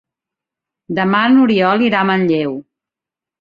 Demà n'Oriol irà a Manlleu.